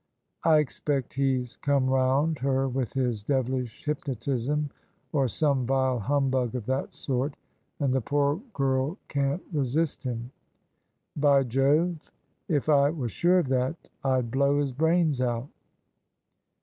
" I expect he's come round her with his devilish hypnotism or some vile humbug of that sort, and the poor girl can't resist him. By Jove, if I was sure of that, I'd blow his brains out!